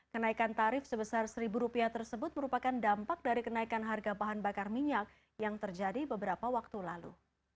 kenaikan tarif sebesar rp satu tersebut merupakan dampak dari kenaikan harga bahan bakar minyak yang terjadi beberapa waktu lalu